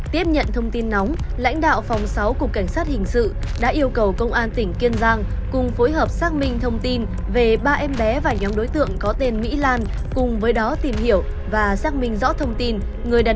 tiếp nhận thông tin nóng lãnh đạo phòng sáu cục cảnh sát hình sự đã yêu cầu công an tỉnh kiên giang cùng phối hợp xác minh thông tin về ba em bé và nhóm đối tượng có tên mỹ lan cùng với đó tìm hiểu và xác minh rõ thông tin